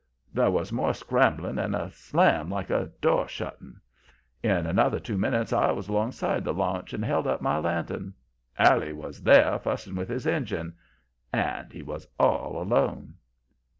"There was more scrambling and a slam, like a door shutting. In another two minutes I was alongside the launch and held up my lantern. Allie was there, fussing with his engine. And he was all alone.